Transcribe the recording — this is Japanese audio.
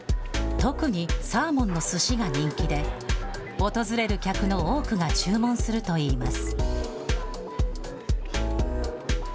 特にサーモンのすしが人気で、訪れる客の多くが注文するといいます。